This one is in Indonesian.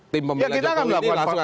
tim pembelajaran jokowi